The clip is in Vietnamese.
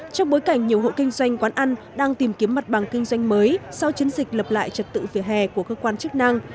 trong bối cảnh nhiều hộ kinh doanh quán ăn đang tìm kiếm mặt bằng kinh doanh mới sau chiến dịch lập lại trật tự vỉa hè của cơ quan chức năng